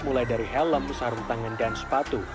mulai dari helm sarung tangan dan sepatu